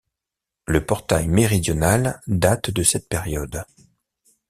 Le portail méridional date de cette période.